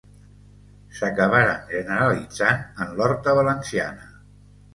S’acabaren generalitzant en l’horta valenciana.